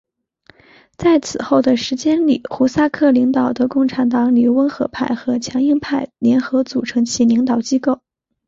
在此后的时间里胡萨克领导的共产党里温和派和强硬派联合组成其领导机构。